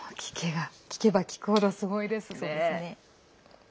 聞けば聞く程すごいですね。